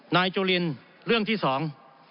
นายจุลินเรื่องที่สอง